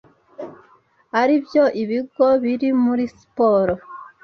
ari byo ibigo biri muri siporo